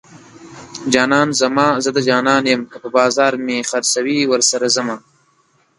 جانان زما زه د جانان یم که په بازار مې خرڅوي ورسره ځمه